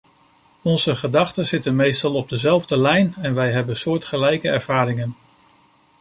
Onze gedachten zitten meestal op dezelfde lijn en wij hebben soortgelijke ervaringen.